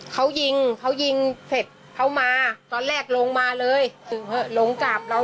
เขายิงเขายิงเสร็จเขามาตอนแรกลงมาเลยลงกลับเรา